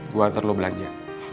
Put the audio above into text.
gue atur lo belanja